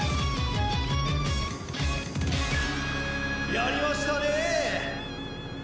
やりましたねえ！